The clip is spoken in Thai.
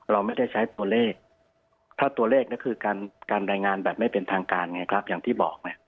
เราไม่ได้ใช้ตัวเลขถ้าตัวเลขก็คือการรายงานแบบไม่เป็นทางการไงครับอย่างที่บอกไง